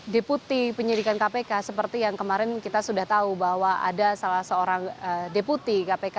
deputi penyidikan kpk seperti yang kemarin kita sudah tahu bahwa ada salah seorang deputi kpk